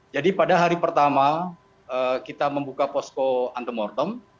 jadi pada hari pertama kita membuka posko antemortem